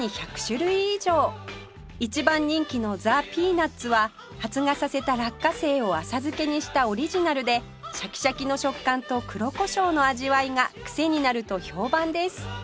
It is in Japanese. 一番人気のザ・ピーナッツは発芽させた落花生を浅漬けにしたオリジナルでシャキシャキの食感と黒コショウの味わいがクセになると評判です